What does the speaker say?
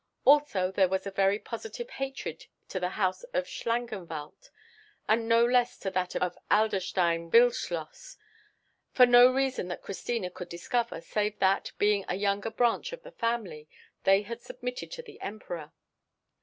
Also there was a very positive hatred to the house of Schlangenwald, and no less to that of Adlerstein Wildschloss, for no reason that Christina could discover save that, being a younger branch of the family, they had submitted to the Emperor.